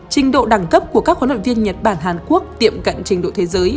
trình độ đẳng cấp của các huấn luyện viên nhật bản hàn quốc tiệm cận trình độ thế giới